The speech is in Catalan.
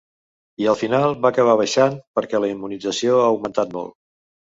I al final va acabar baixant, perquè la immunització ha augmentat molt.